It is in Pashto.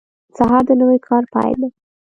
سهار د نوي کار پیل دی.